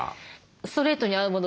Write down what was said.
ストレートに合うもの